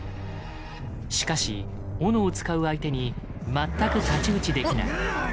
しかし斧を使う相手に全く太刀打ちできない。